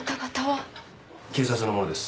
警察の者です。